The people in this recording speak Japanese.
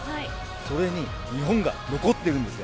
それに日本が残っているんですよ。